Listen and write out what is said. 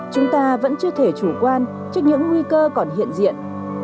chúng ta vẫn chưa thể chủ quan trước những nguy cơ còn hiện diện